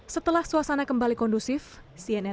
setelah suasana kembali kondusif cnn turk kembali melanjutkan siaran